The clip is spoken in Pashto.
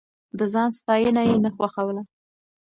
د ځان ستاينه يې نه خوښوله.